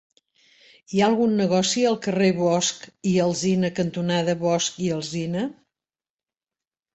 Hi ha algun negoci al carrer Bosch i Alsina cantonada Bosch i Alsina?